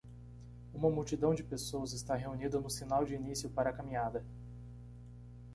Uma multidão de pessoas está reunida no sinal de início para a caminhada.